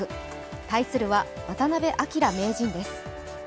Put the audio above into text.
対するは渡辺明名人です。